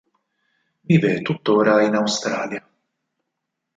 Vive tuttora in Australia.